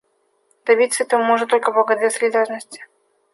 Добиться этого можно только благодаря солидарности.